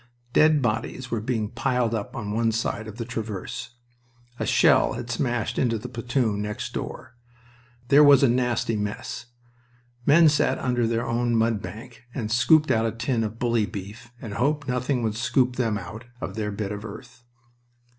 Dead bodies were being piled up on one side of the traverse. A shell had smashed into the platoon next door. There was a nasty mess. Men sat under their own mud bank and scooped out a tin of bully beef and hoped nothing would scoop them out of their bit of earth.